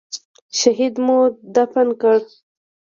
شهيد مو دفن کړ.